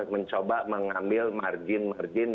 mencoba mengambil margin margin